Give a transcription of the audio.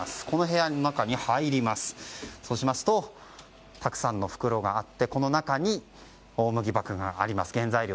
この部屋の中にはたくさんの袋があって、この中に大麦麦芽があります。